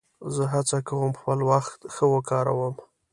زه هڅه کوم خپل وخت ښه وکاروم.